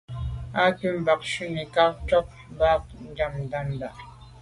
Á cúp mbə̄ shúnī nâʼ kghút jùp bǎʼ bû ŋgámbándá.